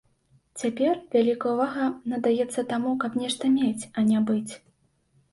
Цяпер вялікая ўвага надаецца таму, каб нешта мець, а не быць.